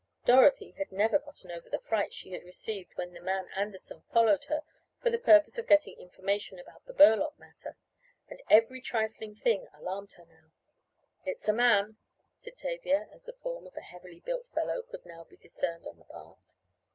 Dorothy had never gotten over the frights she had received when the man Anderson followed her for the purpose of getting information about the Burlock matter, and every trifling thing alarmed her now. "It's a man," said Tavia, as the form of a heavily built fellow could now be discerned on the path.